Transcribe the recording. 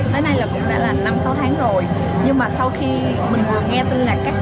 tới nay cũng đã là năm sáu tháng rồi nhưng mà sau khi mình nghe tin là